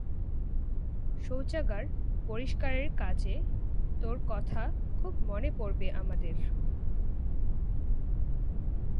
শৌচাগার পরিষ্কারের কাজে তোর কথা খুব মনে পড়বে আমাদের।